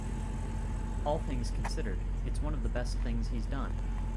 All things considered, it's one of the best things he's done.